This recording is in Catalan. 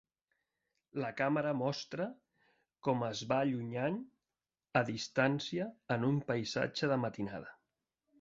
La càmera mostra com es va allunyant a distància en un paisatge de matinada.